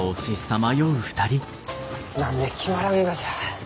何で決まらんがじゃ？